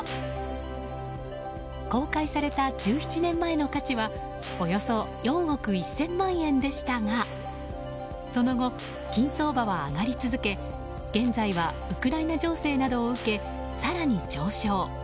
公開された１７年前の価値はおよそ４億１０００万円でしたがその後、金相場は上がり続け現在はウクライナ情勢などを受け更に上昇。